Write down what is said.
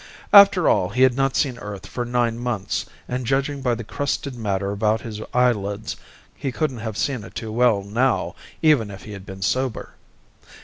After all, he had not seen Earth for nine months, and judging by the crusted matter about his eyelids, he couldn't have seen it too well now, even if he had been sober.